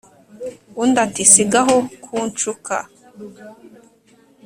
undi ati sigaho kunshuka